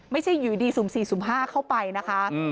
ไม่ใช่อยู่ดี๐๔๐๕เข้าไปนะคะ